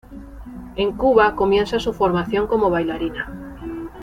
En Cuba comienza su formación como bailarina.